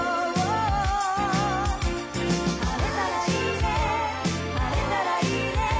「晴れたらいいね晴れたらいいね」